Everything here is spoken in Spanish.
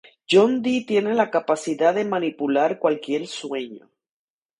Jonh Dee tiene la capacidad de manipular cualquier sueño.